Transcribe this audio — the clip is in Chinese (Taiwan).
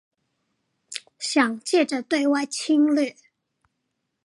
想藉著對外侵略